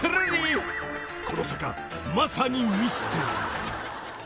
［この坂まさにミステリー？］